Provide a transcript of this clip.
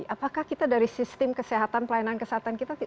apakah kita dari sistem kesehatan pelayanan kesehatan kita